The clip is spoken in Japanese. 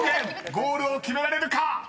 ゴールを決められるか？］